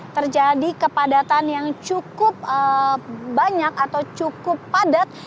terjadi kepadatan yang cukup banyak atau cukup padat